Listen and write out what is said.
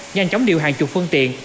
nhanh chóng điều hành chục phương tiện